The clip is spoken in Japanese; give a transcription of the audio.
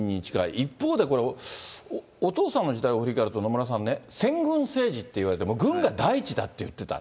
一方でこれ、お父さんの時代を振り返ると、野村さんね、専軍政治っていわれて軍が第一だって言ってた。